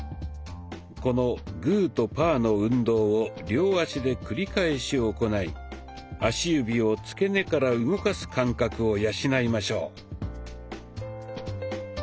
このグーとパーの運動を両足で繰り返し行い足指をつけ根から動かす感覚を養いましょう。